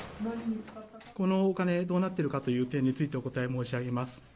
このお金がどうなっているかという点についてお答え申し上げます。